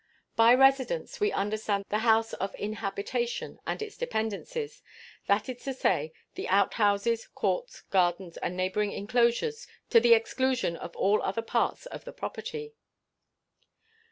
By residence we understand the house of inhabitation and its dependencies; that is to say, the outhouses, courts, gardens, and neighboring inclosures, to the exclusion of all other parts of the property.